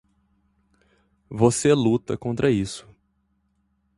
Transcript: Você luta contra isso.